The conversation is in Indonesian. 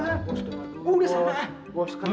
bos kan masuk kanan kanan